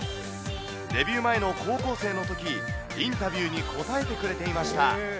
デビュー前の高校生のとき、インタビューに答えてくれていました。